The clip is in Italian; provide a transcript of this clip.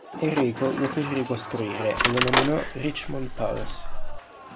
Enrico lo fece ricostruire e lo nominò "Richmond Palace".